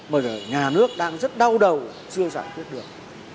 mà nhà nước đang rất đau đầu chưa giải quyết được